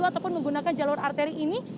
ataupun menggunakan jalur arteri ini